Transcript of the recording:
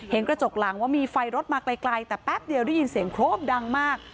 กระจกหลังว่ามีไฟรถมาไกลแต่แป๊บเดียวได้ยินเสียงโครมดังมาก